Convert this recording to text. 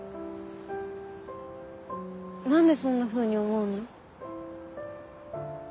何でそんなふうに思うの？